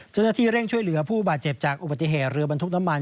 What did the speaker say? เจ้าหน้าที่เร่งช่วยเหลือผู้บาดเจ็บจากอุบัติเหตุเรือบรรทุกน้ำมัน